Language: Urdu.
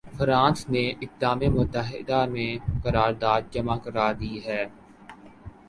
فرانس نے اقدام متحدہ میں قرارداد جمع کرا دی ہے۔